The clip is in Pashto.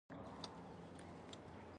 دا معنوي غوړېدا لپاره ده.